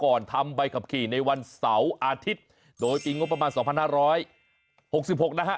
ทำใบขับขี่ในวันเสาร์อาทิตย์โดยปีงบประมาณสองพันห้าร้อยหกสิบหกนะฮะ